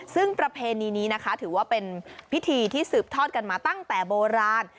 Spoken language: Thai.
ซึ่งประเพณีนี้นะคะถือว่าเป็นพิธีที่สืบทอดกันมาตั้งแต่โบราณ